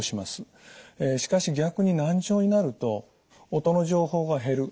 しかし逆に難聴になると音の情報が減る。